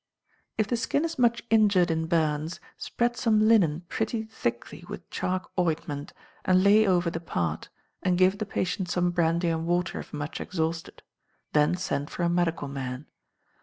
If the skin is much injured in burns, spread some linen pretty thickly with chalk ointment, and lay over the part, and give the patient some brandy and water if much exhausted; then send for a medical man.